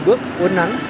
một bước cuốn nắng